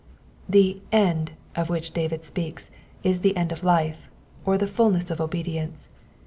The *' end *' of which David speaks is the end of life, or the fulness of obedience.